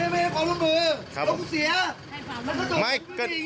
แม่ความร่วมมือยุ่งเสีย